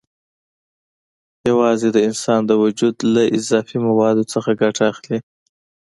یوازې د انسان د وجود له اضافي موادو څخه ګټه اخلي.